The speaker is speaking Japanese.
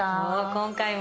今回も。